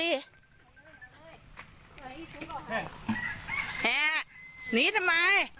เนี่ยหนีทำไม